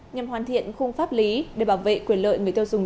nhằm hoàn thiện khung pháp lý để bảo vệ quyền lợi người tiêu dùng